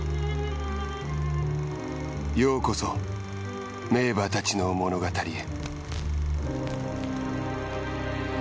ようこそ名馬たちの物語へ。